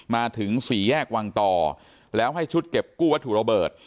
มาถึงสี่แยกวังต่อแล้วให้ชุดเก็บกู้วัตถุระเบิด